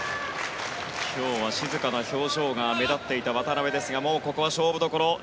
今日は静かな表情が目立っていた渡辺ですがもう、ここは勝負どころ。